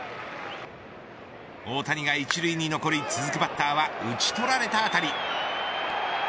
大谷が１塁に残り続くバッターは打ち取られた当たり。